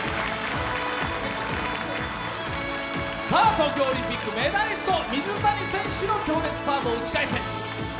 東京オリンピックメダリスト水谷選手の強烈サーブを打ち返せ。